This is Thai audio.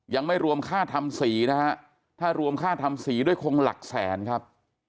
ยังไม่รวมค่าทำสีนะฮะถ้ารวมค่าทำสีด้วยคงหลักแสนครับ